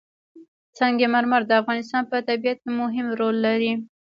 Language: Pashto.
سنگ مرمر د افغانستان په طبیعت کې مهم رول لري.